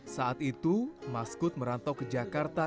saat itu maskud merantau ke jakarta